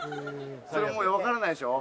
それもうわからないでしょ？